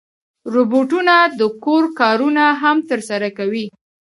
روبوټونه د کور کارونه هم ترسره کوي.